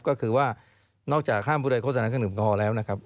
ก็คือว่านอกจากข้ามผู้ใดโฆษณาเครื่องหนึ่งอันกอฮอล์แล้วนะครับ